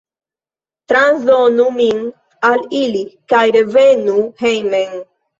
Transdonu min al ili kaj revenu hejmen.